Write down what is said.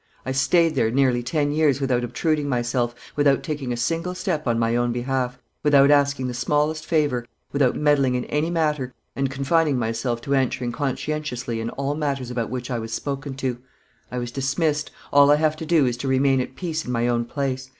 I staid there nearly ten years without obtruding myself, without taking a single step on my own behalf, without asking the smallest favor, without meddling in any matter, and confining myself to answering conscientiously in all matters about which I was spoken to. I was dismissed; all I have to do is to remain at peace in my own place.